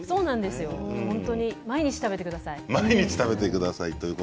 毎日食べてください。